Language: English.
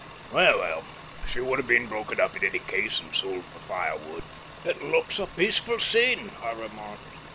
Well, well, she would have been broken up in any case, and sold for firewood." "It looks a peaceful scene," I remarked.